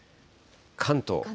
関東。